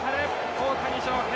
大谷翔平